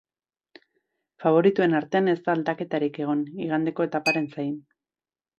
Faboritoen artean ez da aldaketarik egon, igandeko etaparen zain.